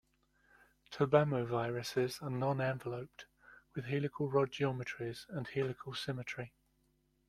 Tobamoviruses are non-enveloped, with helical rod geometries, and helical symmetry.